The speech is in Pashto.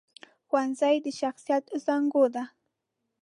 ښوونځی د شخصیت زانګو ده